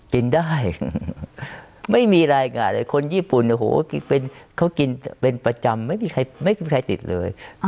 กินได้ไม่มีรายงานเลยคนญี่ปุ่นเขากินเป็นประจำไม่มีใครไม่มีใครติดเลย